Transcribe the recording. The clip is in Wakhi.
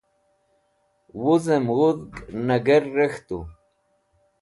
wuzem wudg Nager rek̃htu